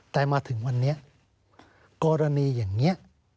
แต่มาถึงวันนี้กรณีอย่างนี้